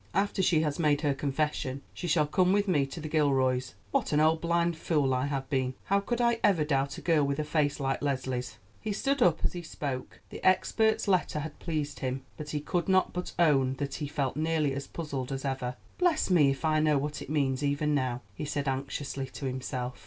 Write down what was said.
After she has made her confession she shall come with me to the Gilroys. What an old, blind fool I have been. How could I ever doubt a girl with a face like Leslie's?" He stood up as he spoke. The expert's letter had pleased him; but he could not but own that he felt nearly as puzzled as ever. "Bless me if I know what it means even now," he said anxiously to himself.